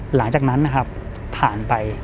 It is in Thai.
หลังจากนั้นนะครับผ่านไป